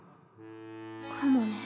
かもね。